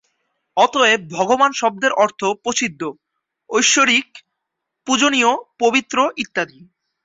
অতএব, ভগবান শব্দের অর্থ প্রসিদ্ধ, ঐশ্বরিক, পূজনীয়, পবিত্র ইত্যাদি।